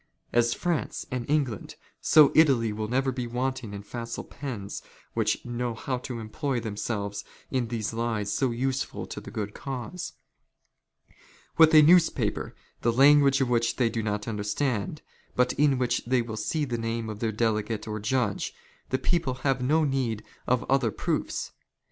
As " France and England, so Italy will never be wanting in facile PERMANENT INSTRUCTION OF THE ALTA VENDITA. 69 *' pens wliicli know how to employ themselves in these lies so useful " to the good cause. With a newspaper, the language of which " they do not understand, but in which they will see the name of '' their delegate or judge, the people have no need of other proofs.